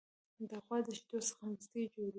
د غوا د شیدو څخه مستې جوړیږي.